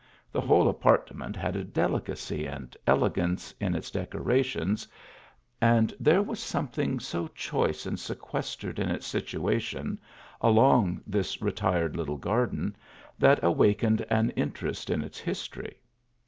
The whole apart ment had a delicacy and elegance in its decorations and there was something so choice and sequestered in its situation, along this retired little garden, that awakened an interest in its history.